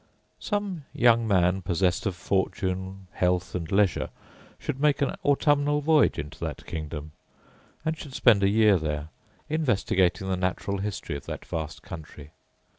Some young man, possessed of fortune, health, and leisure, should make an autumnal voyage into that kingdom; and should spend a year there, investigating the natural history of that vast country.